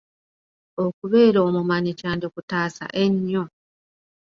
Okubeera omumanyi kyandikutaasa ennyo.